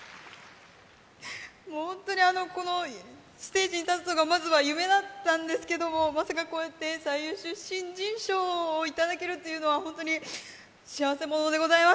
もう本当にこのステージに立つのが夢だったんですけれども、まさかこうやって最優秀新人賞をいただけるというのはホントに幸せ者でございます。